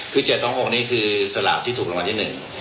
คือ๗๒๖นี้คือสลับที่ถูกประมาณที่๑๓๒๖